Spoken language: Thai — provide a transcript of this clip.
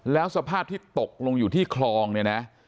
แล้วสภาพที่ตกลงอยู่ที่คลองเนี่ยนะ